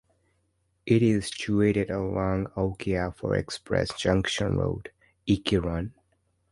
It is situated along Oke Afo-Express junction road, Ikirun.